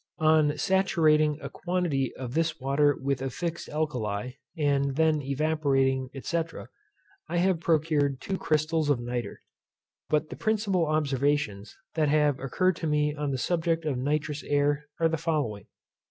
On saturating a quantity of this water with a fixed alcali, and then evaporating, &c. I have procured two chrystals of nitre. But the principal observations that have occurred to me on the subject of nitrous air are the following.